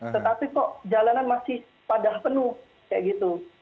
tetapi kok jalanan masih pada penuh kayak gitu